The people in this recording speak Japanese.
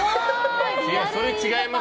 それは違います。